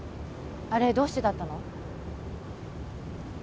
あれどうしてだったの？